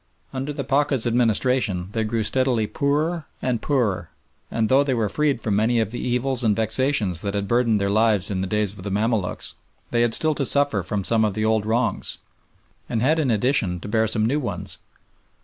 Under the Pacha's administration they grew steadily poorer and poorer, and, though they were freed from many of the evils and vexations that had burthened their lives in the days of the Mamaluks, they had still to suffer from some of the old wrongs, and had, in addition, to bear some new ones.